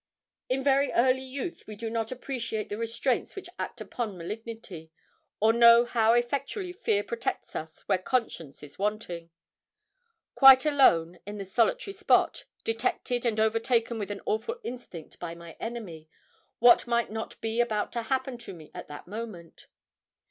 In very early youth we do not appreciate the restraints which act upon malignity, or know how effectually fear protects us where conscience is wanting. Quite alone, in this solitary spot, detected and overtaken with an awful instinct by my enemy, what might not be about to happen to me at that moment?